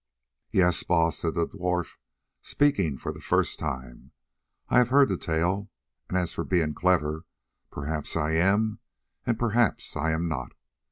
"Yes, Baas," said the dwarf, speaking for the first time, "I have heard the tale, and as for being clever, perhaps I am and perhaps I am not.